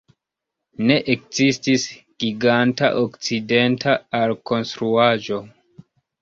Ne ekzistis giganta okcidenta alkonstruaĵo.